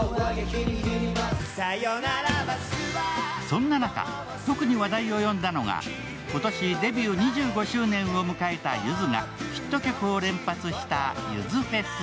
そんな中、特に話題を呼んだのが今年デビュー２５周年を迎えたゆずがヒット曲を連発した、ゆずフェス。